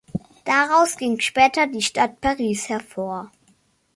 Daraus ging später die Stadt Paris hervor.